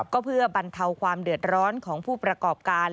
ก็เพื่อบรรเทาความเดือดร้อนของผู้ประกอบการ